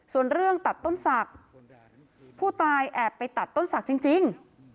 ส่วนเรื่องตัดต้นศักดิ์ผู้ตายแอบไปตัดต้นศักดิ์จริง